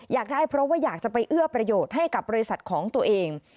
อยากได้เพราะว่าอยากจะไปเอื้อประโยชน์ให้กับบริษัทของตัวเอง